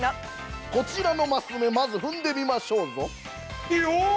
こちらのマス目まず踏んでみましょうぞ！